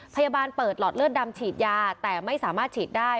พยาบาลเปิดหลอดเลือดดำฉีดยาแต่ไม่สามารถฉีดได้